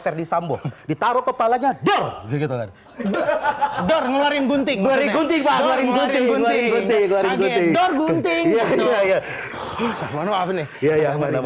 ferdis sambuh ditaruh kepalanya dororin gunting gunting